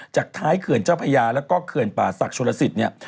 จากท้ายเขื่อนเจ้าพยาและเขื่อนป่าซักชฎศิรษิษย์